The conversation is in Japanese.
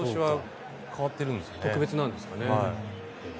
特別なんですかね。